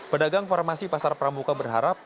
pedagang farmasi pasar pramuka berharap